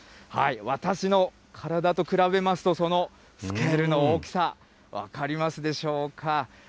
私の体と比べますと、そのスケールの大きさ、分かりますでしょうか。